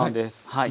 はい。